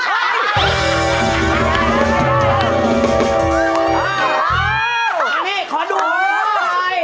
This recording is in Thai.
อันนี้ขอดูครับพ่อ